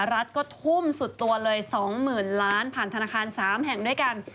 รัฐก็ทุ่มสุดตัวเลย๒๐๐๐ล้านผ่านธนาคาร๓แห่งด้วยกัน